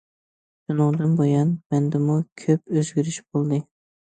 شۇنىڭدىن بۇيان، مەندىمۇ كۆپ ئۆزگىرىش بولدى.